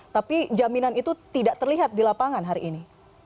tapi jaminan itu tidak terlihat di lapangan hari ini